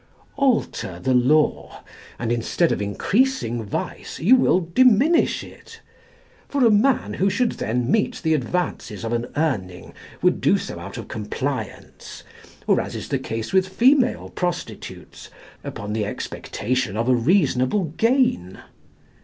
Alter the law, and instead of increasing vice, you will diminish it; for a man who should then meet the advances of an Urning, would do so out of compliance, or, as is the case with female prostitutes, upon the expectation of a reasonable gain.